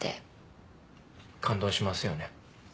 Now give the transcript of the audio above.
感動しますよね。